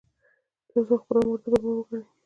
تـر څـو خـپله مـور د بل مور وګـني.